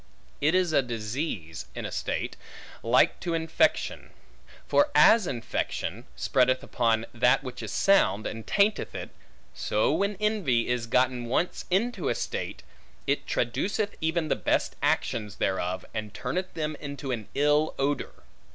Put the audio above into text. It is a disease, in a state, like to infection. For as infection spreadeth upon that which is sound, and tainteth it; so when envy is gotten once into a state, it traduceth even the best actions thereof, and turneth them into an ill odor.